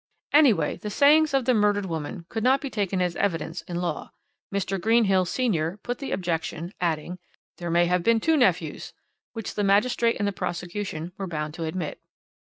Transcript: "Anyway, the sayings of the murdered woman could not be taken as evidence in law. Mr. Greenhill senior put the objection, adding: 'There may have been two nephews,' which the magistrate and the prosecution were bound to admit.